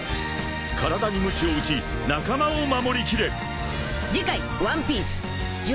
体にむちを打ち仲間を守り切れ！］